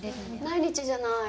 毎日じゃない。